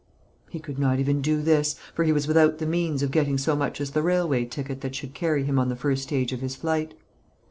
He could not even do this, for he was without the means of getting so much as the railway ticket that should carry him on the first stage of his flight.